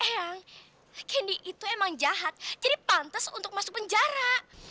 yang kini itu emang jahat jadi pantas untuk masuk penjara